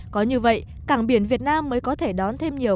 có như vậy cảng biển việt nam mới có thể đón thêm nhiều